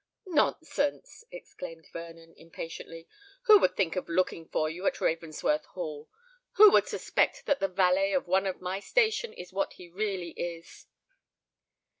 "Nonsense!" exclaimed Vernon, impatiently. "Who would think of looking for you at Ravensworth Hall? who would suspect that the valet of one in my station is what he really is?"